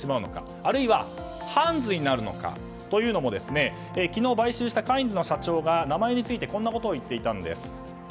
あるいはハンズになるのか。というのも昨日買収したカインズの社長が名前についてこんなことを言っていたんです。